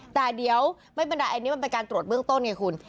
แต่เดี๋ยวไม่เป็นไรอันนี้มันเป็นการตรวจเบื้องต้นไงคุณ